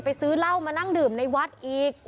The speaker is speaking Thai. ซื้อเหล้ามานั่งดื่มในวัดอีก